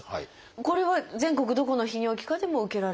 これは全国どこの泌尿器科でも受けられる？